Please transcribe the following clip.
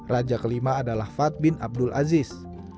raja kelima adalah fat bin abdul aziz